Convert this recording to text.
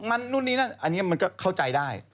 อันนี้มันก็เข้าใจได้